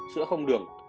sữa không đường